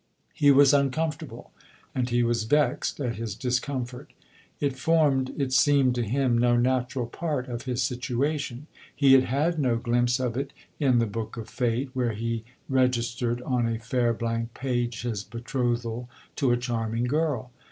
He was uncomfortable, and he was vexed at his discomfort. It formed, it seemed to him, no natural part of his situation; he had had no glimpse of it in the book of fate where he registered on a fair blank page his betrothal to a charming girl.